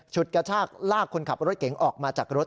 กระชากลากคนขับรถเก๋งออกมาจากรถ